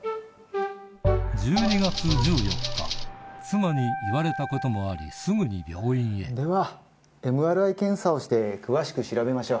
妻に言われたこともありすぐに病院へでは。